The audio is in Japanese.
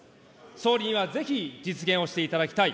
総理にはぜひ実現をしていただきたい。